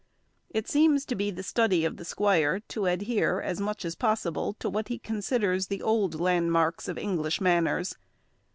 It seems to be the study of the squire to adhere, as much as possible, to what he considers the old landmarks of English manners.